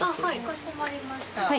かしこまりました。